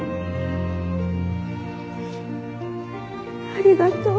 ありがとう。